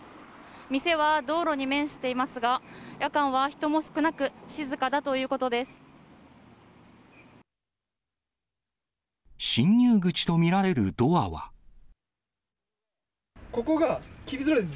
店は道路に面していますが、夜間は人も少なく、静かだということです。